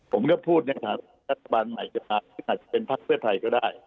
ผมก็พูดนะครับรัฐบาลใหม่จะผ่านที่หนัดเป็นภาคเพื่อไทยก็ได้